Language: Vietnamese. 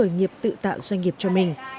doanh nghiệp tự tạo doanh nghiệp cho mình